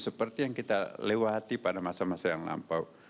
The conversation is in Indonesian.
seperti yang kita lewati pada masa masa yang lampau